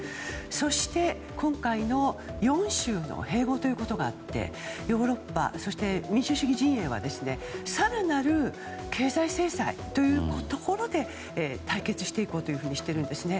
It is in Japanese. そして、今回の４州の併合ということがあってヨーロッパそして民主主義陣営は更なる経済制裁というところで対決していこうというふうにしているんですね。